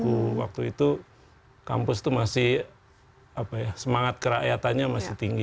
bukan cuma buku waktu itu kampus itu masih apa ya semangat kerakyatannya masih tinggi